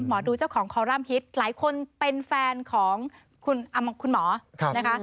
ดูเจ้าของคอรัมปิตหลายคนเป็นแฟนของคุณหมอนะคะ